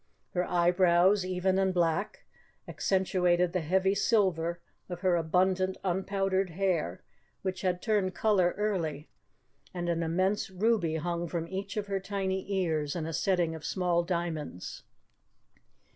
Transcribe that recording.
Her eyebrows, even and black, accentuated the heavy silver of her abundant unpowdered hair, which had turned colour early, and an immense ruby hung from each of her tiny ears in a setting of small diamonds.